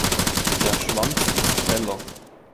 Der Schwanz ist heller.